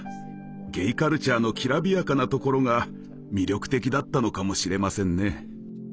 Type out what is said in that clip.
ゲイカルチャーのきらびやかなところが魅力的だったのかもしれませんね。